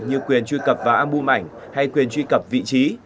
như quyền truy cập vào album ảnh hay quyền truy cập vị trí